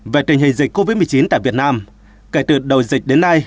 về tình hình dịch covid một mươi chín tại việt nam kể từ đầu dịch đến nay